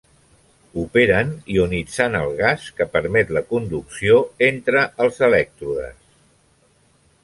Operen ionitzant el gas que permet la conducció entre els elèctrodes.